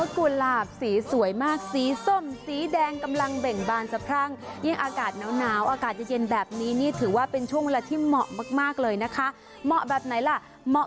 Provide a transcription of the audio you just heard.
กุหลาบสีสวยมากสีส้มสีแดงกำลังเบ่งบานสะพรั่งยิ่งอากาศหนาวอากาศเย็นแบบนี้นี่ถือว่าเป็นช่วงเวลาที่เหมาะมากเลยนะคะเหมาะแบบไหนล่ะเหมาะ